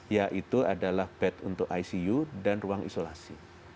yaitu adalah bed untuk icu dan ruang isolasi